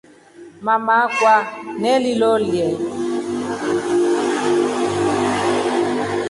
Mama akwa nalilole.